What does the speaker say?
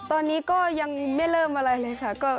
ตอนนี้ก็ยังไม่เริ่มอะไรเลยค่ะ